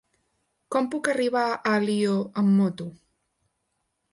Com puc arribar a Alió amb moto?